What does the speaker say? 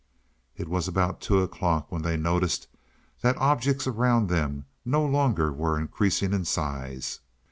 It was about two o'clock when they noticed that objects around them no longer were increasing in size.